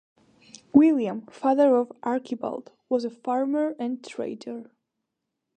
William, father of Archibald, was a farmer and trader.